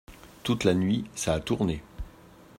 Toute la nuit ça a tourné…